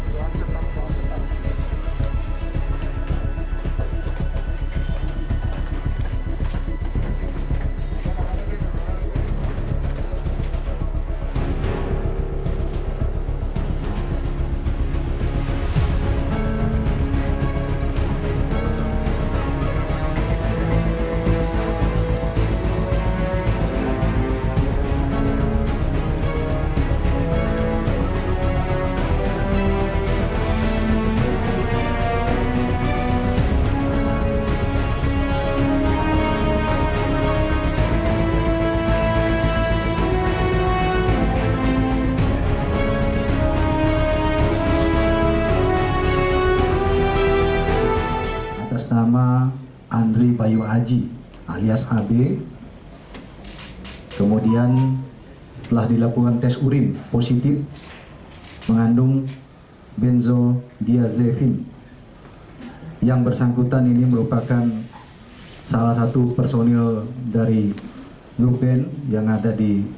jangan lupa like share dan subscribe ya